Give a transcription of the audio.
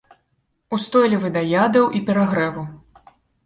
Устойлівы да ядаў і перагрэву.